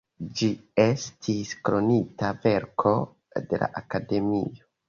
Ĝi estis Kronita Verko de la Akademio.